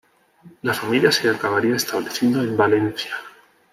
La familia se acabaría estableciendo en Valencia.